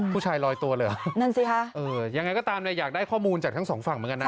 ผู้ชายลอยตัวเหรออย่างไรก็ตามนะอยากได้ข้อมูลจากทั้งสองฝั่งเหมือนกันนะ